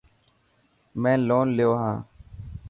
مين لون ليو هاڻ.